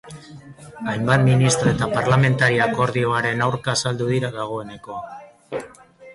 Hainbat ministro eta parlamentari akordioaren aurka azaldu dira dagoeneko.